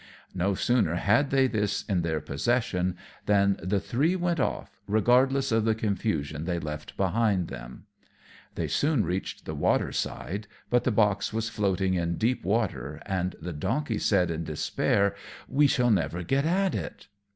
No sooner had they this in their possession than the three went off, regardless of the confusion they left behind them. They soon reached the water side; but the box was floating in deep water, and the Donkey said, in despair "We shall never get at it."